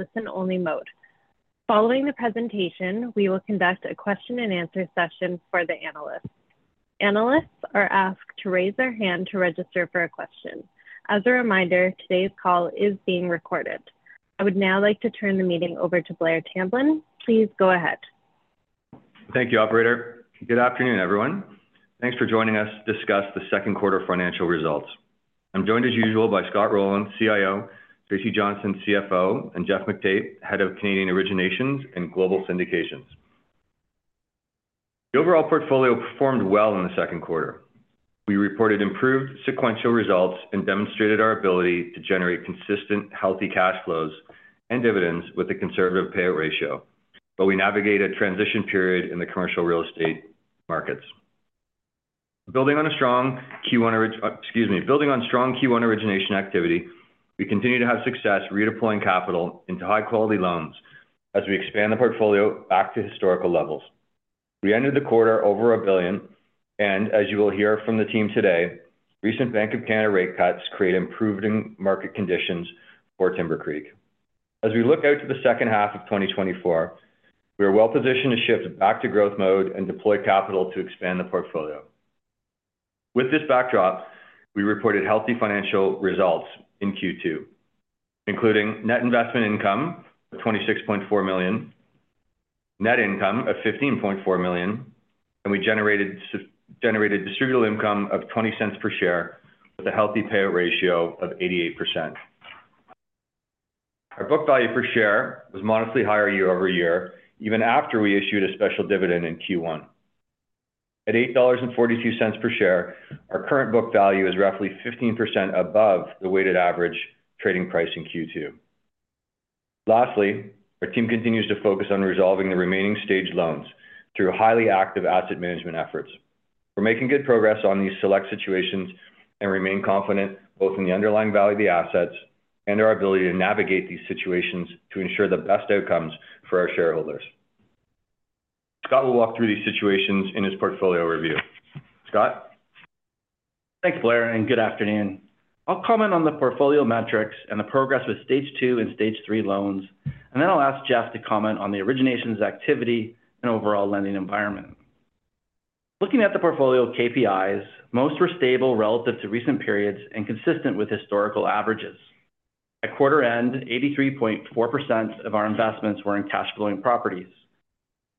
Listen-only mode. Following the presentation, we will conduct a question and answer session for the analysts. Analysts are asked to raise their hand to register for a question. As a reminder, today's call is being recorded. I would now like to turn the meeting over to Blair Tamblyn. Please go ahead. Thank you, operator. Good afternoon, everyone. Thanks for joining us to discuss the second quarter financial results. I'm joined, as usual, by Scott Rowland, CIO, Tracy Jolly, CFO, and Geoff McTait, Head of Canadian Originations and Global Syndications. The overall portfolio performed well in the second quarter. We reported improved sequential results and demonstrated our ability to generate consistent, healthy cash flows and dividends with a conservative payout ratio, but we navigate a transition period in the commercial real estate markets. Building on a strong Q1 origination activity, we continue to have success redeploying capital into high-quality loans as we expand the portfolio back to historical levels. We ended the quarter over 1 billion, and as you will hear from the team today, recent Bank of Canada rate cuts create improved market conditions for Timbercreek. As we look out to the second half of 2024, we are well positioned to shift back to growth mode and deploy capital to expand the portfolio. With this backdrop, we reported healthy financial results in Q2, including net investment income of 26.4 million, net income of 15.4 million, and we generated distributable income of 0.20 per share, with a healthy payout ratio of 88%. Our book value per share was modestly higher year-over-year, even after we issued a special dividend in Q1. At 8.42 dollars per share, our current book value is roughly 15% above the weighted average trading price in Q2. Lastly, our team continues to focus on resolving the remaining staged loans through highly active asset management efforts. We're making good progress on these select situations and remain confident both in the underlying value of the assets and our ability to navigate these situations to ensure the best outcomes for our shareholders. Scott will walk through these situations in his portfolio review. Scott? Thanks, Blair, and good afternoon. I'll comment on the portfolio metrics and the progress with Stage Two and Stage Three loans, and then I'll ask Geoff to comment on the originations activity and overall lending environment. Looking at the portfolio KPIs, most were stable relative to recent periods and consistent with historical averages. At quarter end, 83.4% of our investments were in cash-flowing properties.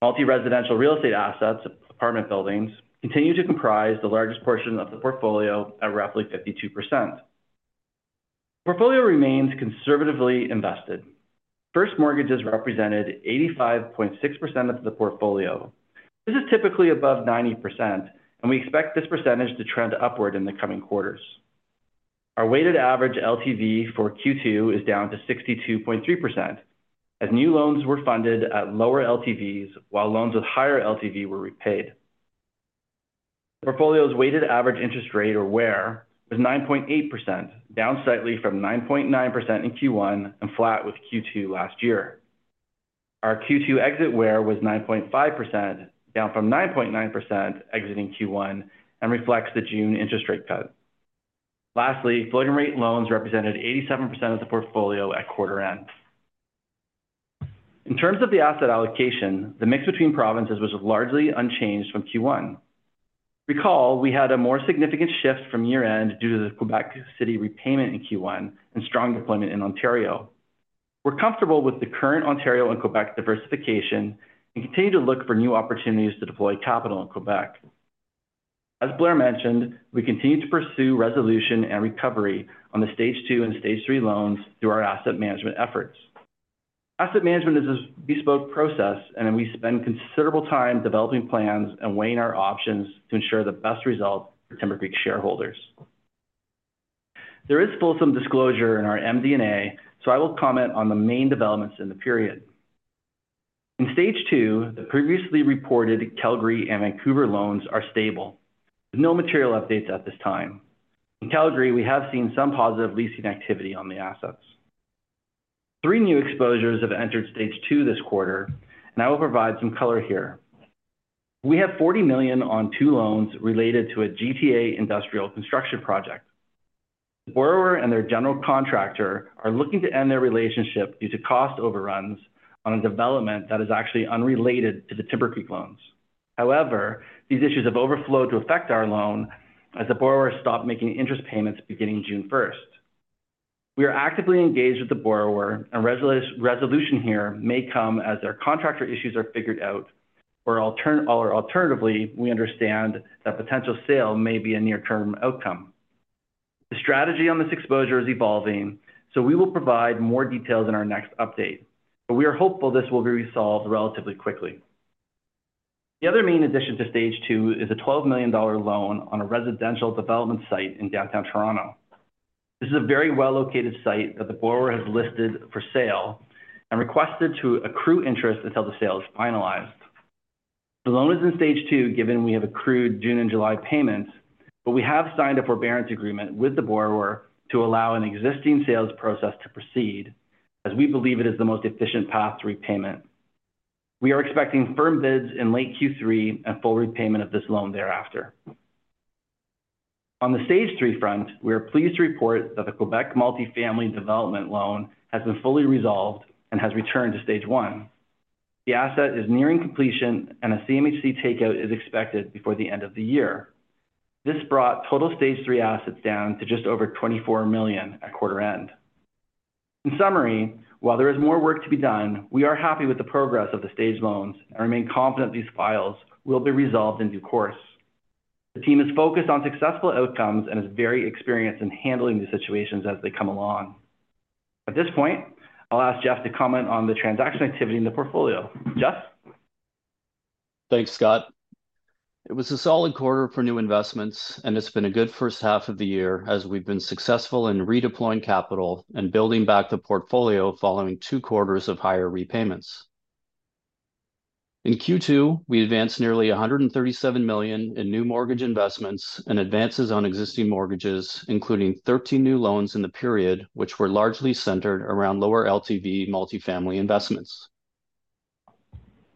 Multi-residential real estate assets, apartment buildings, continue to comprise the largest portion of the portfolio at roughly 52%. Portfolio remains conservatively invested. First mortgages represented 85.6% of the portfolio. This is typically above 90%, and we expect this percentage to trend upward in the coming quarters. Our weighted average LTV for Q2 is down to 62.3%, as new loans were funded at lower LTVs, while loans with higher LTV were repaid. The portfolio's weighted average interest rate, or WAIR, was 9.8%, down slightly from 9.9% in Q1 and flat with Q2 last year. Our Q2 exit WAIR was 9.5%, down from 9.9% exiting Q1 and reflects the June interest rate cut. Lastly, floating rate loans represented 87% of the portfolio at quarter end. In terms of the asset allocation, the mix between provinces was largely unchanged from Q1. Recall, we had a more significant shift from year-end due to the Quebec City repayment in Q1 and strong deployment in Ontario. We're comfortable with the current Ontario and Quebec diversification and continue to look for new opportunities to deploy capital in Quebec. As Blair mentioned, we continue to pursue resolution and recovery on the Stage Two and Stage Three loans through our asset management efforts. Asset management is a bespoke process, and we spend considerable time developing plans and weighing our options to ensure the best result for Timbercreek shareholders. There is still some disclosure in our MD&A, so I will comment on the main developments in the period. In Stage Two, the previously reported Calgary and Vancouver loans are stable, with no material updates at this time. In Calgary, we have seen some positive leasing activity on the assets. Three new exposures have entered Stage Two this quarter, and I will provide some color here. We have 40 million on two loans related to a GTA industrial construction project. The borrower and their general contractor are looking to end their relationship due to cost overruns on a development that is actually unrelated to the Timbercreek loans. However, these issues have overflowed to affect our loan as the borrower stopped making interest payments beginning June first. We are actively engaged with the borrower, and resolution here may come as their contractor issues are figured out, or alternatively, we understand that potential sale may be a near-term outcome. The strategy on this exposure is evolving, so we will provide more details in our next update, but we are hopeful this will be resolved relatively quickly. The other main addition to Stage Two is a 12 million dollar loan on a residential development site in downtown Toronto. This is a very well-located site that the borrower has listed for sale and requested to accrue interest until the sale is finalized. The loan is in Stage Two, given we have accrued June and July payments, but we have signed a forbearance agreement with the borrower to allow an existing sales process to proceed, as we believe it is the most efficient path to repayment. We are expecting firm bids in late Q3 and full repayment of this loan thereafter. On the Stage Three front, we are pleased to report that the Quebec multifamily development loan has been fully resolved and has returned to Stage One. The asset is nearing completion, and a CMHC takeout is expected before the end of the year. This brought total Stage Three assets down to just over 24 million at quarter end. In summary, while there is more work to be done, we are happy with the progress of the stage loans and remain confident these files will be resolved in due course. The team is focused on successful outcomes and is very experienced in handling these situations as they come along. At this point, I'll ask Geoff to comment on the transaction activity in the portfolio. Geoff? Thanks, Scott. It was a solid quarter for new investments, and it's been a good first half of the year as we've been successful in redeploying capital and building back the portfolio following two quarters of higher repayments. In Q2, we advanced nearly 137 million in new mortgage investments and advances on existing mortgages, including 13 new loans in the period, which were largely centered around lower LTV multifamily investments.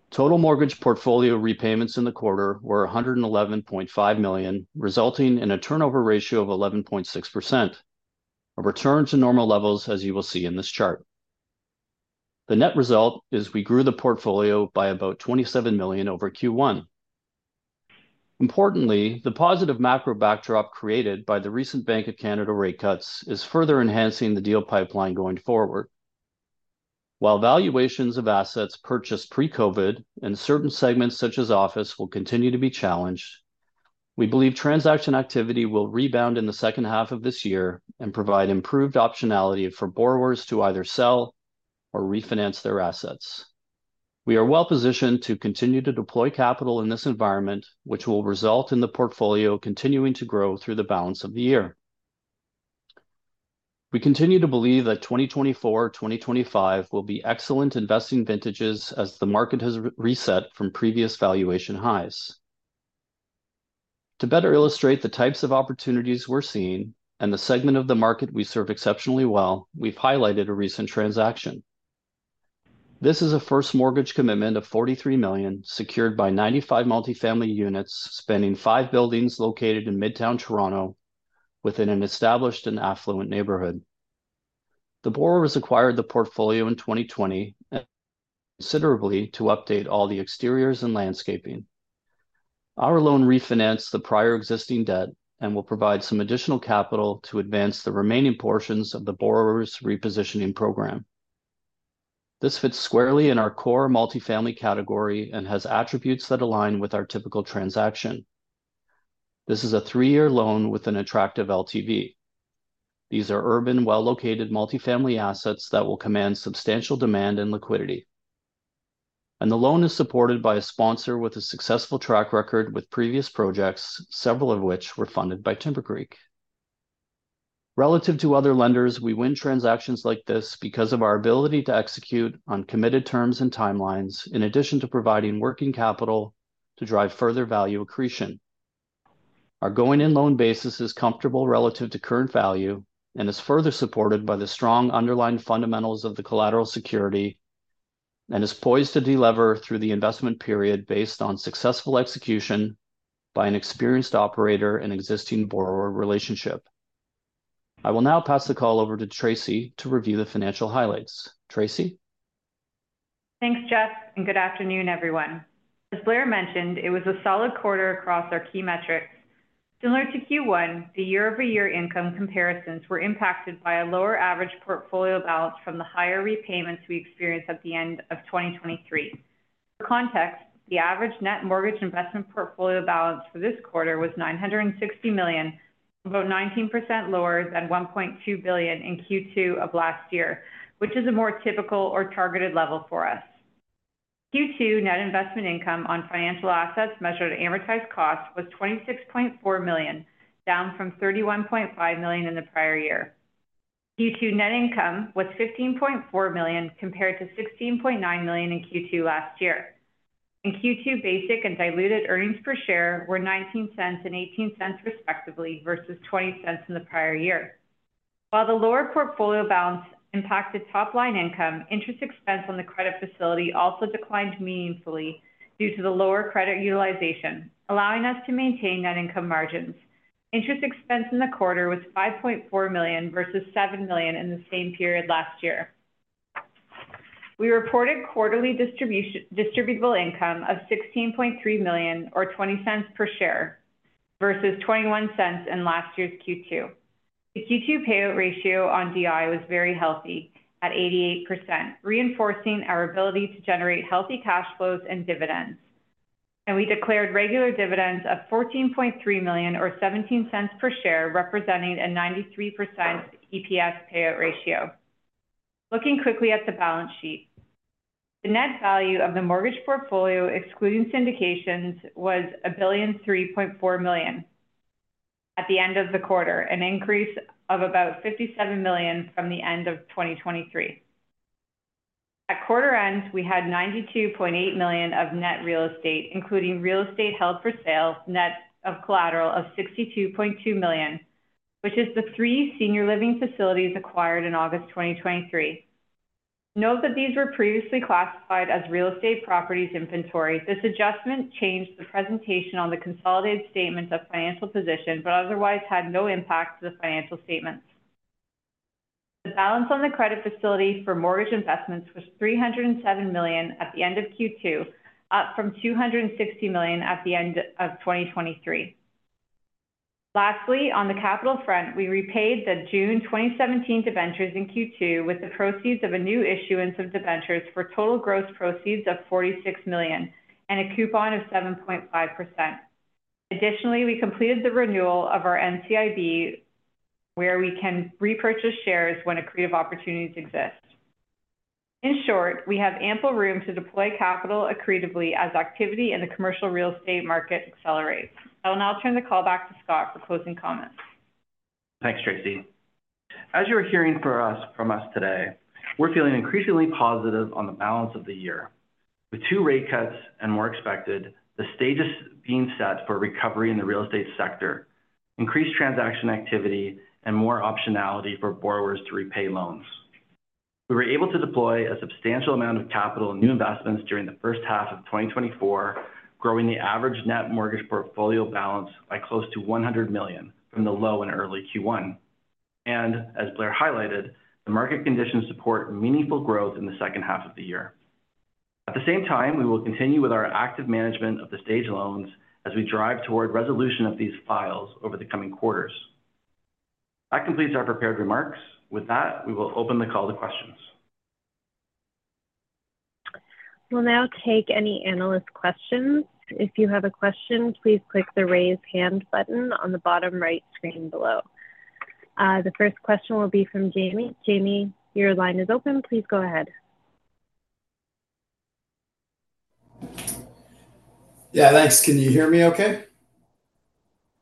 Total mortgage portfolio repayments in the quarter were 111.5 million, resulting in a turnover ratio of 11.6%, a return to normal levels, as you will see in this chart. The net result is we grew the portfolio by about 27 million over Q1. Importantly, the positive macro backdrop created by the recent Bank of Canada rate cuts is further enhancing the deal pipeline going forward. While valuations of assets purchased pre-COVID in certain segments, such as office, will continue to be challenged, we believe transaction activity will rebound in the second half of this year and provide improved optionality for borrowers to either sell or refinance their assets. We are well-positioned to continue to deploy capital in this environment, which will result in the portfolio continuing to grow through the balance of the year. We continue to believe that 2024, 2025 will be excellent investing vintages as the market has re-reset from previous valuation highs. To better illustrate the types of opportunities we're seeing and the segment of the market we serve exceptionally well, we've highlighted a recent transaction. This is a first mortgage commitment of 43 million, secured by 95 multifamily units, spanning five buildings located in Midtown Toronto, within an established and affluent neighborhood. The borrower has acquired the portfolio in 2020 considerably to update all the exteriors and landscaping. Our loan refinanced the prior existing debt and will provide some additional capital to advance the remaining portions of the borrower's repositioning program. This fits squarely in our core multifamily category and has attributes that align with our typical transaction. This is a three-year loan with an attractive LTV. These are urban, well-located multifamily assets that will command substantial demand and liquidity. And the loan is supported by a sponsor with a successful track record with previous projects, several of which were funded by Timbercreek. Relative to other lenders, we win transactions like this because of our ability to execute on committed terms and timelines, in addition to providing working capital to drive further value accretion. Our going-in loan basis is comfortable relative to current value and is further supported by the strong underlying fundamentals of the collateral security, and is poised to delever through the investment period based on successful execution by an experienced operator and existing borrower relationship. I will now pass the call over to Tracy to review the financial highlights. Tracy? Thanks, Geoff, and good afternoon, everyone. As Blair mentioned, it was a solid quarter across our key metrics. Similar to Q1, the year-over-year income comparisons were impacted by a lower average portfolio balance from the higher repayments we experienced at the end of 2023. Context, the average net mortgage investment portfolio balance for this quarter was 960 million, about 19% lower than 1.2 billion in Q2 of last year, which is a more typical or targeted level for us. Q2 net investment income on financial assets measured at amortized cost was 26.4 million, down from 31.5 million in the prior year. Q2 net income was 15.4 million, compared to 16.9 million in Q2 last year. In Q2, basic and diluted earnings per share were 0.19 and 0.18, respectively, versus 0.20 in the prior year. While the lower portfolio balance impacted top-line income, interest expense on the credit facility also declined meaningfully due to the lower credit utilization, allowing us to maintain net income margins. Interest expense in the quarter was 5.4 million versus 7 million in the same period last year. We reported quarterly distributable income of 16.3 million or 0.20 per share, versus 0.21 in last year's Q2. The Q2 payout ratio on DI was very healthy at 88%, reinforcing our ability to generate healthy cash flows and dividends. We declared regular dividends of 14.3 million or 0.17 per share, representing a 93% EPS payout ratio. Looking quickly at the balance sheet. The net value of the mortgage portfolio, excluding syndications, was 1,003.4 million at the end of the quarter, an increase of about 57 million from the end of 2023. At quarter end, we had 92.8 million of net real estate, including real estate held for sale, net of collateral of 62.2 million, which is the 3 senior living facilities acquired in August 2023. Note that these were previously classified as real estate properties inventory. This adjustment changed the presentation on the consolidated statement of financial position, but otherwise had no impact to the financial statements. The balance on the credit facility for mortgage investments was 307 million at the end of Q2, up from 260 million at the end of 2023. Lastly, on the capital front, we repaid the June 2017 debentures in Q2 with the proceeds of a new issuance of debentures for total gross proceeds of 46 million, and a coupon of 7.5%. Additionally, we completed the renewal of our NCIB, where we can repurchase shares when accretive opportunities exist. In short, we have ample room to deploy capital accretively as activity in the commercial real estate market accelerates. I will now turn the call back to Scott for closing comments. Thanks, Tracy. As you are hearing from us today, we're feeling increasingly positive on the balance of the year. With two rate cuts and more expected, the stage is being set for recovery in the real estate sector, increased transaction activity, and more optionality for borrowers to repay loans. We were able to deploy a substantial amount of capital in new investments during the first half of 2024, growing the average net mortgage portfolio balance by close to 100 million from the low in early Q1. As Blair highlighted, the market conditions support meaningful growth in the second half of the year. At the same time, we will continue with our active management of the stage loans as we drive toward resolution of these files over the coming quarters. That completes our prepared remarks. With that, we will open the call to questions. We'll now take any analyst questions. If you have a question, please click the Raise Hand button on the bottom right screen below. The first question will be from Jaeme. Jaeme, your line is open. Please go ahead. Yeah, thanks. Can you hear me okay?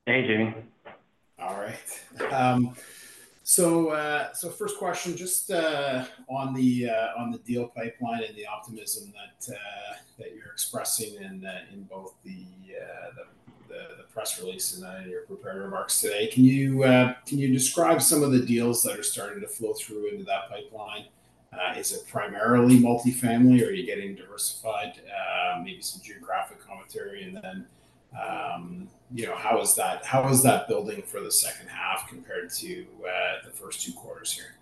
Hey, Jaeme. All right. So first question, just on the deal pipeline and the optimism that you're expressing in both the press release and in your prepared remarks today. Can you describe some of the deals that are starting to flow through into that pipeline? Is it primarily multifamily, or are you getting diversified? Maybe some geographic commentary, and then, you know, how is that building for the second half compared to the first two quarters here?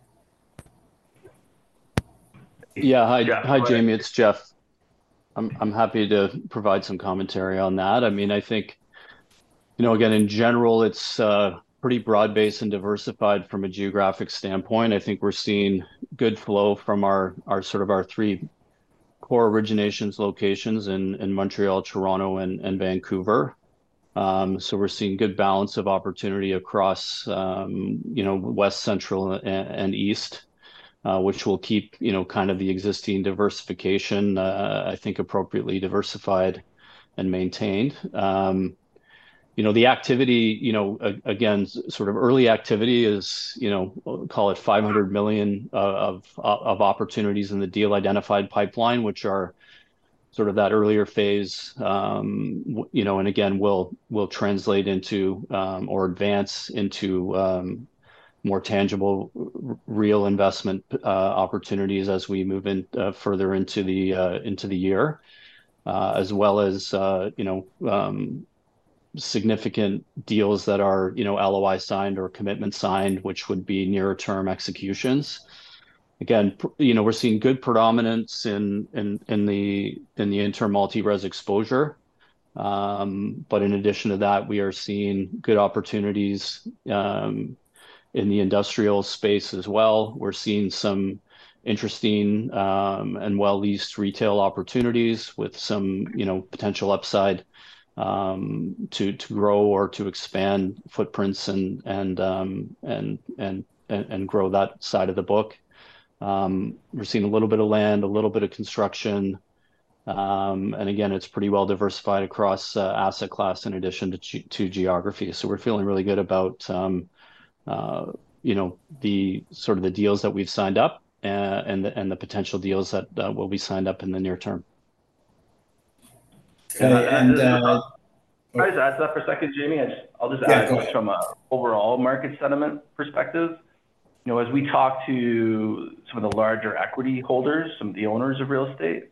Yeah. Hi- Yeah, go ahead. Hi, Jaeme. It's Geoff. I'm happy to provide some commentary on that. I mean, I think, you know, again, in general, it's pretty broad-based and diversified from a geographic standpoint. I think we're seeing good flow from our sort of three core originations locations in Montreal, Toronto, and Vancouver. So we're seeing good balance of opportunity across, you know, west, central, and east, which will keep, you know, kind of the existing diversification, I think appropriately diversified and maintained. You know, the activity, you know, again, sort of early activity is, you know, call it 500 million of opportunities in the deal-identified pipeline, which are sort of that earlier phase. You know, and again, will translate into more advances into more tangible real investment opportunities as we move further into the year. As well as, you know, significant deals that are, you know, LOI signed or commitment signed, which would be near-term executions. Again, you know, we're seeing good predominance in the interim multi res exposure. But in addition to that, we are seeing good opportunities in the industrial space as well. We're seeing some interesting and well-leased retail opportunities with some, you know, potential upside to grow or to expand footprints and grow that side of the book. We're seeing a little bit of land, a little bit of construction, and again, it's pretty well diversified across asset class in addition to geography. So we're feeling really good about, you know, the sort of the deals that we've signed up, and the, and the potential deals that will be signed up in the near term. And, uh- Can I just add to that for a second, Jaeme? I'll just add- Yeah, go ahead.... from an overall market sentiment perspective. You know, as we talk to some of the larger equity holders, some of the owners of real estate,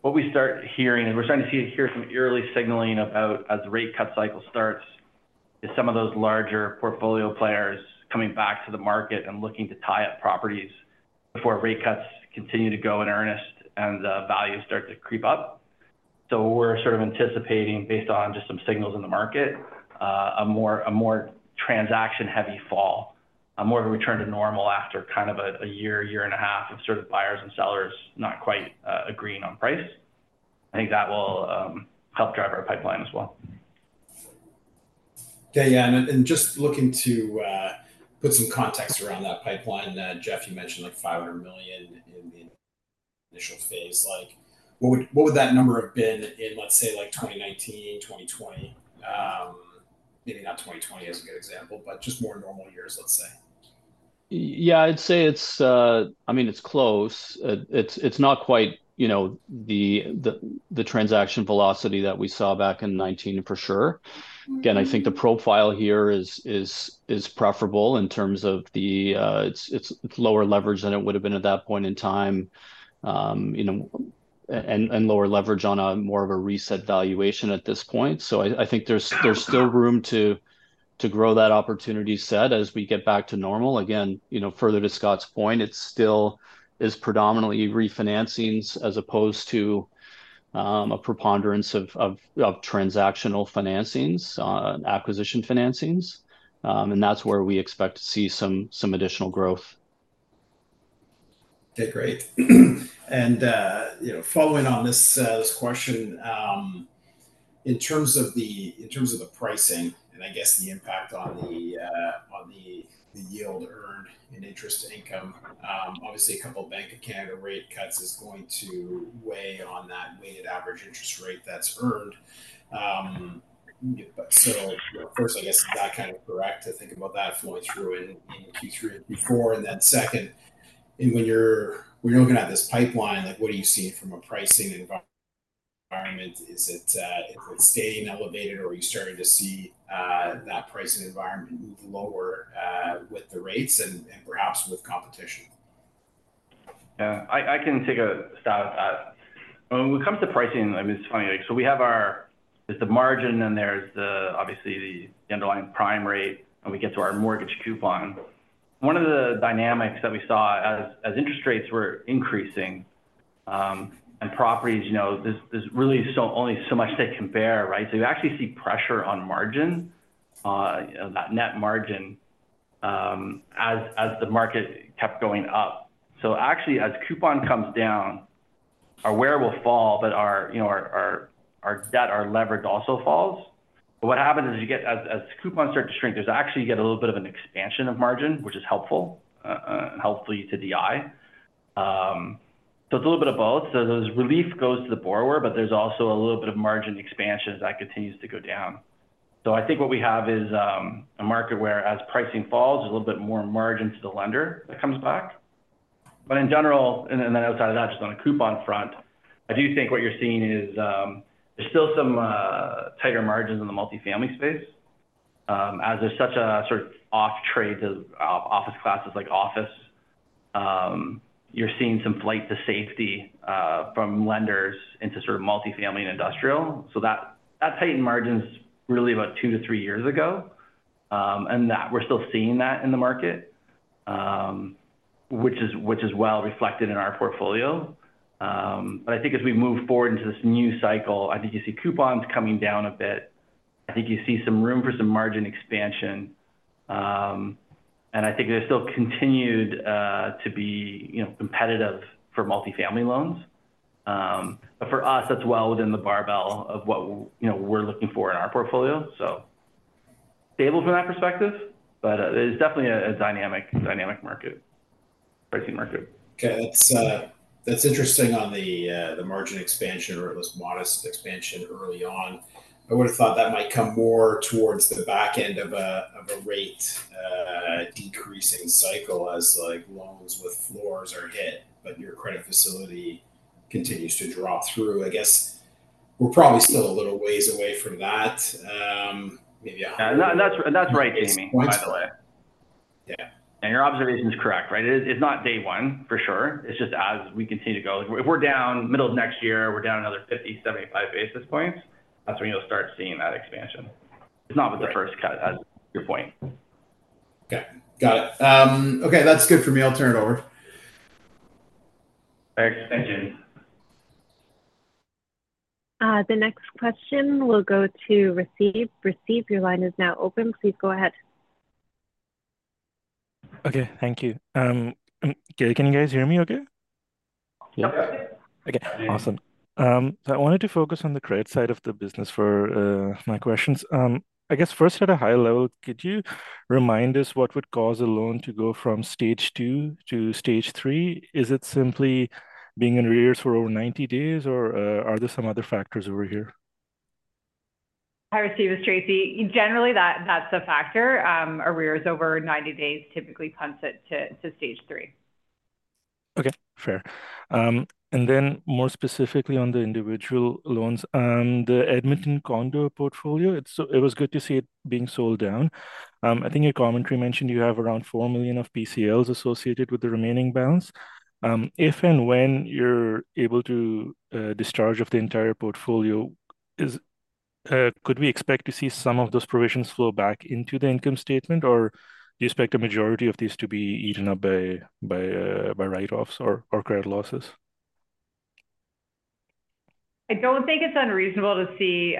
what we start hearing, and we're starting to see and hear some early signaling about as the rate cut cycle starts, is some of those larger portfolio players coming back to the market and looking to tie up properties before rate cuts continue to go in earnest and the values start to creep up. So we're sort of anticipating, based on just some signals in the market, a more, a more transaction-heavy fall, a more of a return to normal after kind of a, a year, year and a half of sort of buyers and sellers not quite agreeing on price. I think that will help drive our pipeline as well. Okay. Yeah, and, and just looking to put some context around that pipeline, Geoff, you mentioned, like, 500 million in the initial phase. Like, what would, what would that number have been in, let's say, like, 2019, 2020? Maybe not 2020 as a good example, but just more normal years, let's say. Yeah, I'd say it's, I mean, it's close. It's not quite, you know, the transaction velocity that we saw back in 2019, for sure. Again, I think the profile here is preferable in terms of the, it's lower leverage than it would've been at that point in time. And lower leverage on more of a reset valuation at this point. So I think there's still room to grow that opportunity set as we get back to normal. Again, you know, further to Scott's point, it still is predominantly refinancings as opposed to a preponderance of transactional financings, acquisition financings. And that's where we expect to see some additional growth. Okay, great. And, you know, following on this, this question, in terms of the, in terms of the pricing and I guess the impact on the, on the, the yield earned in interest income, obviously, a couple Bank of Canada rate cuts is going to weigh on that weighted average interest rate that's earned. So of course, I guess, is that kind of correct to think about that flowing through in, in Q3 and Q4? And then second, and when you're- when you're looking at this pipeline, like, what are you seeing from a pricing environment? Is it, is it staying elevated, or are you starting to see, that pricing environment move lower, with the rates and, and perhaps with competition? Yeah, I can take a stab at that. When it comes to pricing, I mean, it's funny. Like, so we have our-- there's the margin, and there's the, obviously, the underlying prime rate, and we get to our mortgage coupon. One of the dynamics that we saw as, as interest rates were increasing, and properties, you know, there's, there's really only so much they can bear, right? So you actually see pressure on margin, that net margin, as, as the market kept going up. So actually, as coupon comes down, our WAIR will fall, but our, you know, our, our, our debt, our leverage also falls. But what happens is, you get-- as, as coupons start to shrink, there's actually you get a little bit of an expansion of margin, which is helpful, helpful to the eye. So it's a little bit of both. So there's relief goes to the borrower, but there's also a little bit of margin expansion as that continues to go down. So I think what we have is a market where as pricing falls, a little bit more margin to the lender that comes back. But in general, and then outside of that, just on a coupon front, I do think what you're seeing is there's still some tighter margins in the multifamily space. As there's such a sort of off trade to office classes like office, you're seeing some flight to safety from lenders into sort of multifamily and industrial. So that, that tightened margins really about two to three years ago, and that we're still seeing that in the market, which is, which is well reflected in our portfolio. But I think as we move forward into this new cycle, I think you see coupons coming down a bit. I think you see some room for some margin expansion. And I think there's still continued to be, you know, competitive for multifamily loans. But for us, that's well within the barbell of what, you know, we're looking for in our portfolio. So stable from that perspective, but it's definitely a dynamic market, pricing market. Okay. That's interesting on the margin expansion or at least modest expansion early on. I would've thought that might come more towards the back end of a rate decreasing cycle as like loans with floors are hit, but your credit facility continues to drop through. I guess, we're probably still a little ways away from that, maybe a- Yeah. No, that's, that's right, Jaeme, by the way. Yeah. Your observation is correct, right? It's not day one, for sure. It's just as we continue to go, if we're down middle of next year, we're down another 50-75 basis points, that's when you'll start seeing that expansion. Right. It's not with the first cut, as your point. Okay. Got it. Okay, that's good for me. I'll turn it over. Thanks. Thank you. The next question will go to Raseeb. Raseeb, your line is now open. Please go ahead. Okay. Thank you. Okay, can you guys hear me okay? Yep. Okay, awesome. So I wanted to focus on the credit side of the business for my questions. I guess first, at a high level, could you remind us what would cause a loan to go from Stage Two to Stage Three? Is it simply being in arrears for over 90 days, or are there some other factors over here? Hi, Raseeb, it's Tracy. Generally, that's a factor. Arrears over 90 days typically pumps it to Stage Three. Okay, fair. And then more specifically on the individual loans, the Edmonton condo portfolio, it's so it was good to see it being sold down. I think your commentary mentioned you have around 4 million of PCLs associated with the remaining balance. If and when you're able to discharge of the entire portfolio, could we expect to see some of those provisions flow back into the income statement, or do you expect the majority of these to be eaten up by write-offs or credit losses? I don't think it's unreasonable to see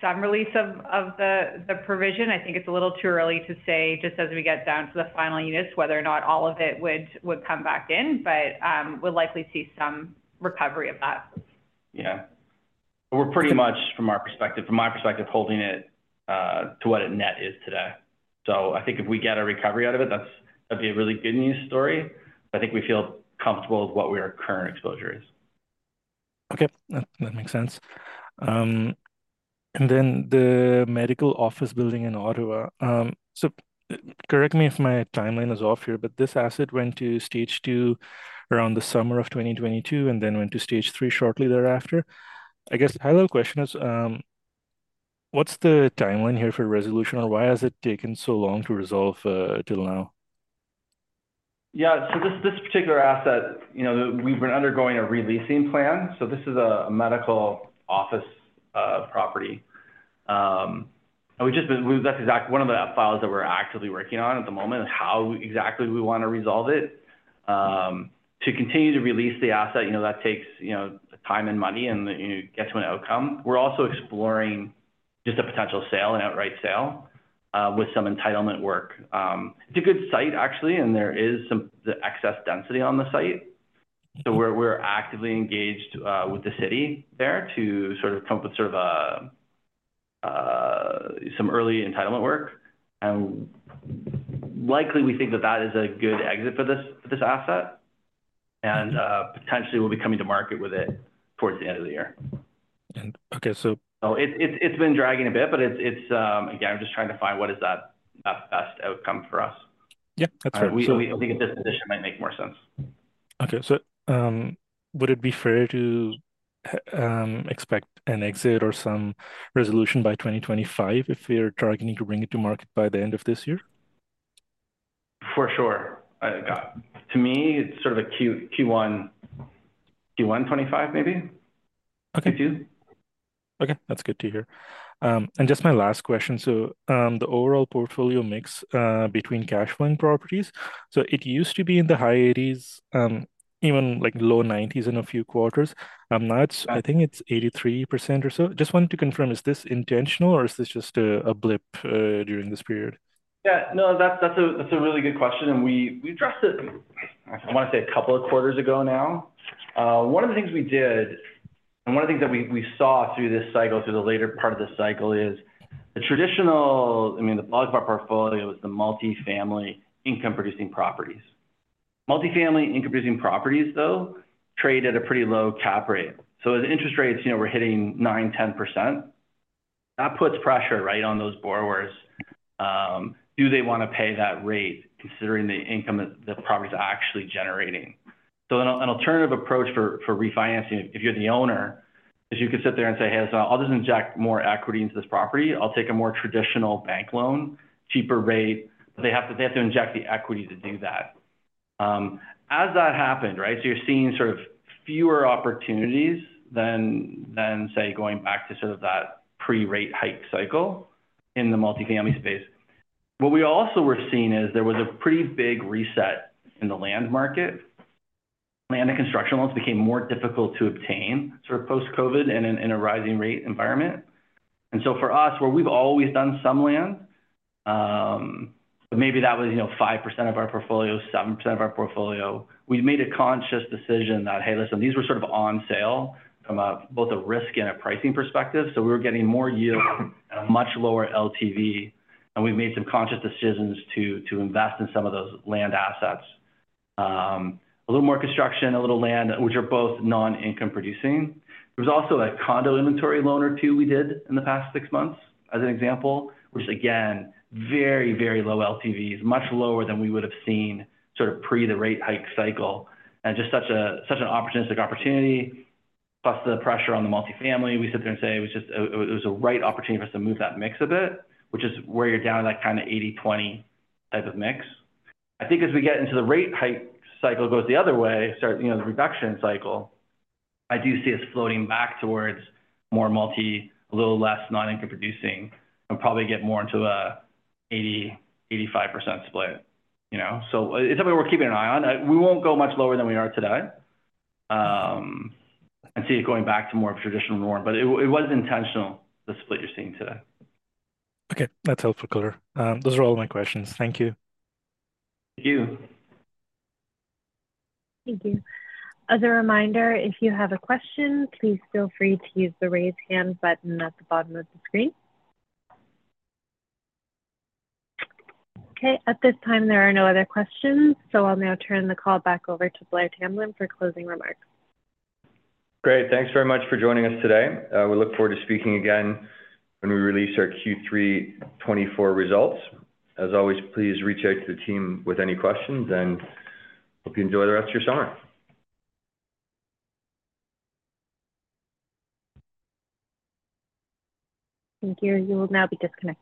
some release of the provision. I think it's a little too early to say, just as we get down to the final units, whether or not all of it would come back in, but we'll likely see some recovery of that. Yeah. We're pretty much, from our perspective, from my perspective, holding it to what a net is today. So I think if we get a recovery out of it, that's- that'd be a really good news story, but I think we feel comfortable with what our current exposure is. Okay, that, that makes sense. And then the medical office building in Ottawa. So correct me if my timeline is off here, but this asset went to Stage Two around the summer of 2022 and then went to Stage Three shortly thereafter. I guess the high-level question is, what's the timeline here for resolution, or why has it taken so long to resolve till now?... Yeah, so this, this particular asset, you know, we've been undergoing a re-leasing plan, so this is a medical office property. That's exactly one of the files that we're actively working on at the moment, is how exactly we want to resolve it. To continue to release the asset, you know, that takes, you know, time and money, and you get to an outcome. We're also exploring just a potential sale, an outright sale, with some entitlement work. It's a good site, actually, and there is some excess density on the site, so we're actively engaged with the city there to sort of come up with sort of a some early entitlement work. Likely, we think that that is a good exit for this, for this asset, and potentially we'll be coming to market with it towards the end of the year. Okay, so- So it's been dragging a bit, but it's again, I'm just trying to find what is that best outcome for us. Yeah, that's right. We think a disposition might make more sense. Okay, so, would it be fair to expect an exit or some resolution by 2025 if we're targeting to bring it to market by the end of this year? For sure. To me, it's sort of a Q1 2025, maybe. Okay. Q2. Okay, that's good to hear. And just my last question, so, the overall portfolio mix, between cash flowing properties, so it used to be in the high 80s, even like low 90s in a few quarters. That's, I think it's 83% or so. Just wanted to confirm, is this intentional or is this just a, a blip, during this period? Yeah, no, that's, that's a, that's a really good question, and we, we addressed it, I want to say, a couple of quarters ago now. One of the things we did, and one of the things that we, we saw through this cycle, through the later part of the cycle, is the traditional, I mean, the bulk of our portfolio is the multifamily income-producing properties. Multifamily income-producing properties, though, trade at a pretty low cap rate. So as interest rates, you know, we're hitting 9%-10%, that puts pressure, right, on those borrowers. Do they want to pay that rate, considering the income that the property is actually generating? So an, an alternative approach for, for refinancing, if you're the owner, is you could sit there and say, "Hey, so I'll just inject more equity into this property. I'll take a more traditional bank loan, cheaper rate." But they have to, they have to inject the equity to do that. As that happened, right, so you're seeing sort of fewer opportunities than, than, say, going back to sort of that pre-rate hike cycle in the multifamily space. What we also were seeing is there was a pretty big reset in the land market. Land and construction loans became more difficult to obtain, sort of post-COVID and in a rising rate environment. And so for us, where we've always done some land, but maybe that was, you know, 5% of our portfolio, 7% of our portfolio, we made a conscious decision that, hey, listen, these were sort of on sale from both a risk and a pricing perspective. So we were getting more yield at a much lower LTV, and we've made some conscious decisions to invest in some of those land assets. A little more construction, a little land, which are both non-income producing. There was also a condo inventory loan or two we did in the past six months, as an example, which again, very, very low LTVs, much lower than we would have seen sort of pre the rate hike cycle and just such a, such an opportunistic opportunity. Plus, the pressure on the multifamily, we sit there and say it was just a, it was a right opportunity for us to move that mix a bit, which is where you're down to that kind of 80/20 type of mix. I think as we get into the rate hike cycle goes the other way, you know, the reduction cycle, I do see us floating back towards more multi, a little less non-income producing, and probably get more into an 80%-85% split, you know? So it's something we're keeping an eye on. We won't go much lower than we are today. I see it going back to more of traditional norm, but it was intentional, the split you're seeing today. Okay, that's helpful clear. Those are all my questions. Thank you. Thank you. Thank you. As a reminder, if you have a question, please feel free to use the Raise Hand button at the bottom of the screen. Okay, at this time, there are no other questions, so I'll now turn the call back over to Blair Tamblyn for closing remarks. Great. Thanks very much for joining us today. We look forward to speaking again when we release our Q3 2024 results. As always, please reach out to the team with any questions, and hope you enjoy the rest of your summer. Thank you. You will now be disconnected.